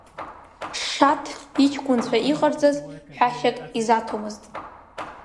Шаҭ иҷкәынцәа иҟарҵаз ҳәашьак изаҭомызт…